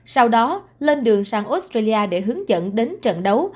sau đó lên đường sang australia để hướng dẫn đến trận đấu